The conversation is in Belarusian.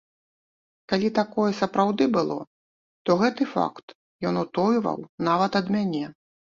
Калі такое сапраўды было, то гэты факт ён утойваў нават ад мяне.